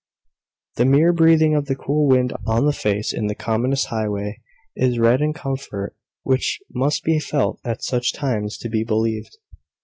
The mere breathing of the cool wind on the face in the commonest highway, is rest and comfort which must be felt at such times to be believed.